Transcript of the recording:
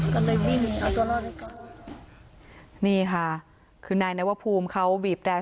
ก็เลยวิ่งนี้เอาตัวนอกด้วยก็นี่ค่ะคือนายนัยวภูมิเขาบีบแด